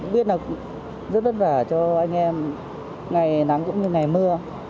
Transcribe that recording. biết là rất vất vả cho anh em ngày nắng cũng như ngày mưa